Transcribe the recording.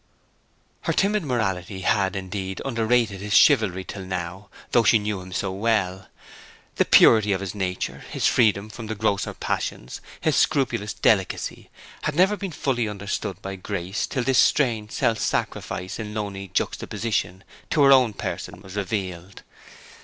Her timid morality had, indeed, underrated his chivalry till now, though she knew him so well. The purity of his nature, his freedom from the grosser passions, his scrupulous delicacy, had never been fully understood by Grace till this strange self sacrifice in lonely juxtaposition to her own person was revealed.